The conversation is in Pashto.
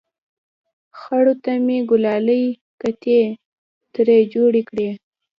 خرو ته مې ګلالۍ کتې ترې جوړې کړې!